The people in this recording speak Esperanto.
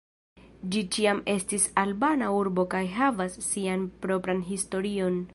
Ĝi ĉiam estis albana urbo kaj havas sian propran historion.